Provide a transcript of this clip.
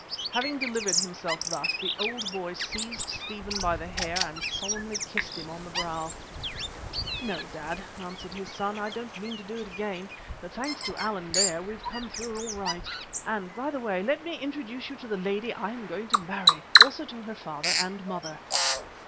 Having delivered himself thus, the old boy seized Stephen by the hair and solemnly kissed him on the brow. "No, dad," answered his son, "I don't mean to do it again, but thanks to Allan there we've come through all right. And, by the way, let me introduce you to the lady I am going to marry, also to her father and mother."